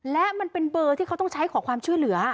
และมันเป็นเบอร์ที่เขาต้องใช้ขอความช่วยเหลือ